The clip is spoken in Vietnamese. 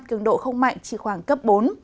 cường độ không mạnh chỉ khoảng cấp bốn